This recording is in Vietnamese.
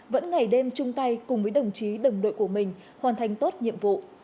vẫn ngày đêm chung tay cùng với đồng chí đồng đội của mình hoàn thành tốt nhiệm vụ